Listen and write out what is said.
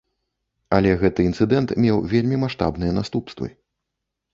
Але гэты інцыдэнт меў вельмі маштабныя наступствы.